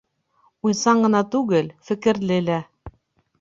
Уйсан ғына түгел, фекерле лә.